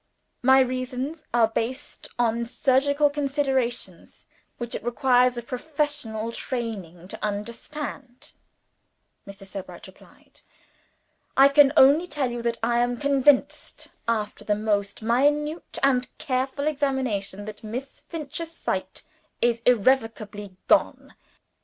"My reasons are based on surgical considerations which it requires a professional training to understand," Mr. Sebright replied. "I can only tell you that I am convinced after the most minute and careful examination that Miss Finch's sight is irrevocably gone.